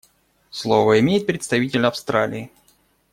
Слово имеет представитель Австралии.